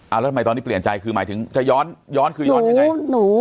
แล้วทำไมตอนนี้เปลี่ยนใจคือหมายถึงจะย้อนคือย้อนยังไง